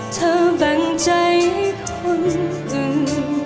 แบ่งใจให้คนอื่น